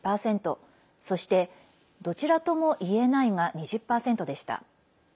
そして、どちらとも言えないが２０％でした。